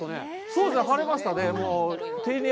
そうですね、晴れましたね。